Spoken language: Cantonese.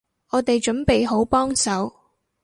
我哋準備好幫手